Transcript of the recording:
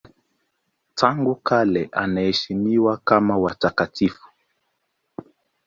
Tangu kale anaheshimiwa kama watakatifu.